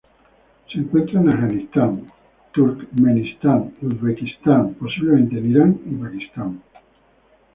Se encuentra en Afganistán, Turkmenistán, Uzbekistán, posiblemente en Irán y Pakistán.